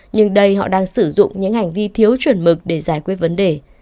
nhưng đây họ đang sử dụng những hành vi thiếu chuẩn mực để giải quyết vấn đề